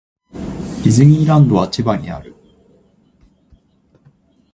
ディズニーランドは千葉にある。